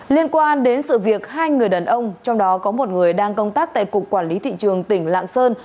liên quan đến sự việc hai người đàn ông trong đó có một người đang công tác tại cục quản lý thị trường tỉnh lạng sơn